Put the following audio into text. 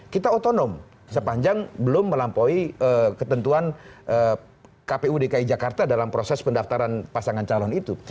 kita otonom sepanjang belum melampaui ketentuan kpu dki jakarta dalam proses pendaftaran pasangan calon itu